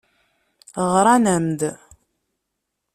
Ɣran-am-d.